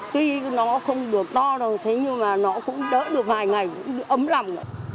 tuy nó không được to đâu thế nhưng mà nó cũng đỡ được vài ngày ấm rằm